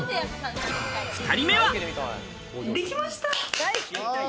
２人目は。